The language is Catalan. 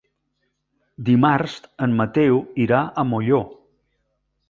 Dimarts en Mateu irà a Molló.